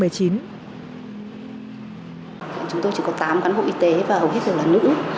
chúng tôi chỉ có tám cán bộ y tế và hầu hết đều là nữ